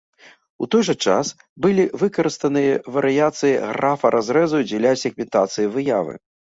У той жа час, былі выкарыстаныя варыяцыі графа разрэзу дзеля сегментацыі выявы.